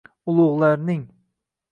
Ulug’larning